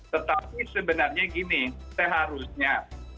tetapi sebenarnya gini seharusnya